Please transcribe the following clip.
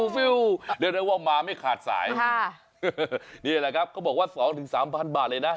เรียกได้ว่ามาไม่ขาดฆ่านี่แหละครับเขาบอกว่าสองถึงสามพันบาทเลยนะ